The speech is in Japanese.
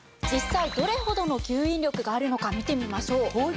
実際どれほどの吸引力があるのか見てみましょう。